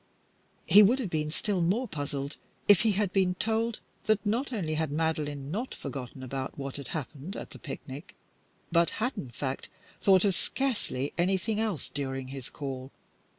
He would have been still more puzzled if he had been told that not only had Madeline not forgotten about what had happened at the picnic, but had, in fact, thought of scarcely anything else during his call.